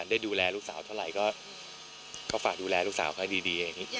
ได้ดูแลลูกสาวเท่าไหร่ก็ฝากดูแลลูกสาวให้ดีอย่างนี้